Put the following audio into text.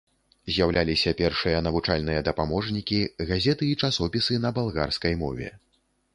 З'яўляліся першыя навучальныя дапаможнікі, газеты і часопісы на балгарскай мове.